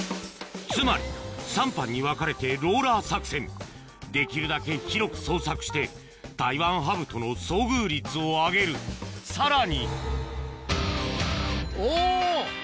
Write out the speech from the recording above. つまり３班に分かれてローラー作戦できるだけ広く捜索してタイワンハブとの遭遇率を上げるさらにおぉ！